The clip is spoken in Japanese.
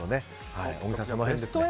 小木さん、その辺ですね。